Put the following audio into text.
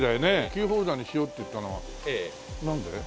キーホルダーにしようっていったのはなんで？